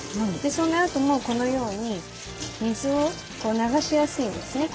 そのあともこのように水を流しやすいですね。